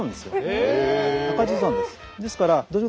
へえ。